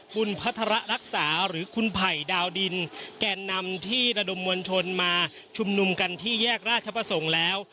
คุณพัฒระรักษาหรือคุณไผ่ดาวดินแก่นนำที่ระดมมวลชนมาชุมนุมกันที่แยกราชประสงค์แล้ว